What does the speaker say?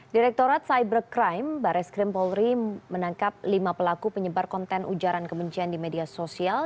direktorat cybercrime bares krim polri menangkap lima pelaku penyebar konten ujaran kebencian di media sosial